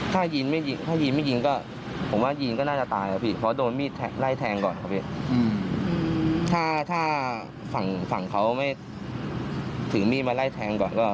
ถ้ามนี่ข้ายิ้นแล้วยีนก็น่าจะตายนะจากโดนมีดไล่แทงต่อนเห็นก่อน